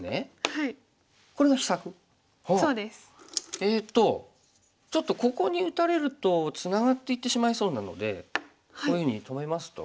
えっとちょっとここに打たれるとツナがっていってしまいそうなのでこういうふうに止めますと。